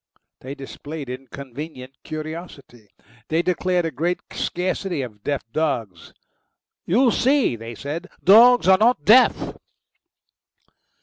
They displayed inconvenient curiosity; they declared a great scarcity of deaf dogs. "You see," they said, "dogs aren't deaf."